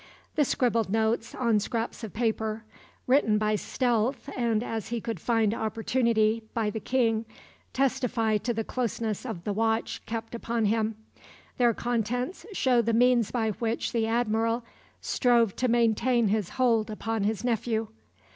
The scribbled notes, on scraps of paper, written by stealth and as he could find opportunity, by the King, testify to the closeness of the watch kept upon him; their contents show the means by which the Admiral strove to maintain his hold upon his nephew.